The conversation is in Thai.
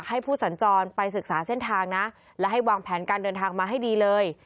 ให้ผู้สัญจรไปศึกษาเส้นทางนะและให้วางแผนการเดินทางมาให้ดีเลย